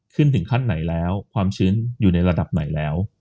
ถึงขั้นไหนแล้วความชื้นอยู่ในระดับไหนแล้ว